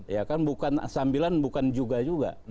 ya kan sambilan bukan juga juga